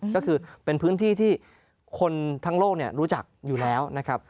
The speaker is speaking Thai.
ก็คือเป็นพื้นที่ที่คนทั้งโลกรู้จักอยู่แล้วนะครับ